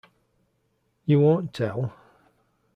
You won't tell?